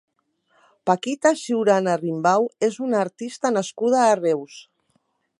Paquita Ciurana Rimbau és una artista nascuda a Reus.